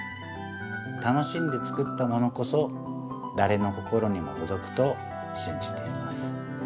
楽しんで作ったものこそだれの心にもとどくとしんじています。